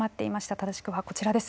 正しくはこちらです。